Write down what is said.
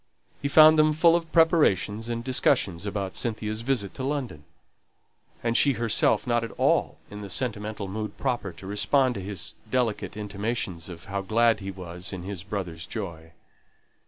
He found them full of preparations and discussions about Cynthia's visit to London; and she herself not at all in the sentimental mood proper to respond to his delicate intimations of how glad he was in his brother's joy.